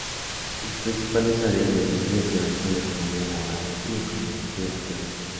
Sus principales áreas de investigación son la economía laboral y econometría teórica.